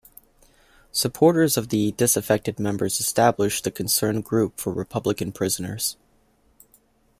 Supporters of the disaffected members established the Concerned Group for Republican Prisoners.